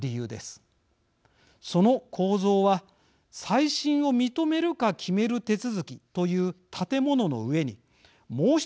その構造は再審を認めるか決める手続きという建物の上にもう一つ